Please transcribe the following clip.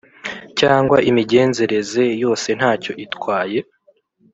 cyangwa imigenzereze yosentacyo itwaye